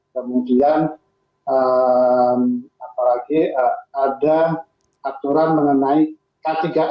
kemudian apalagi ada aturan mengenai k tiga a